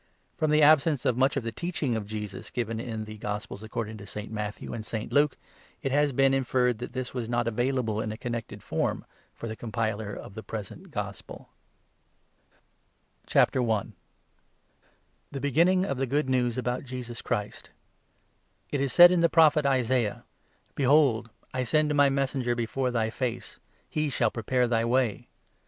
From the absence of much of the Teaching of Jesus given in ' The Gospels according to St. Matthew and St. Luke,' it has been inferred that this was not available in a connected form for the compiler of the present gospel. ACCORDING TO MARK. The beginning of the Good News about Jesus Christ. i 1 I. — THE PREPARATION. It is said in the Prophet Isaiah — 2 The Baptist and his ' Behold ! I send my Messenger before thy face ; Message. j_je shall prepare thy way.'